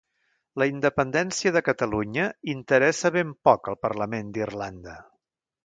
La independència de Catalunya interessa ben poc al parlament d'Irlanda